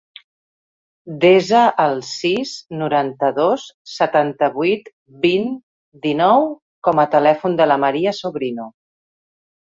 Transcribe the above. Desa el sis, noranta-dos, setanta-vuit, vint, dinou com a telèfon de la Maria Sobrino.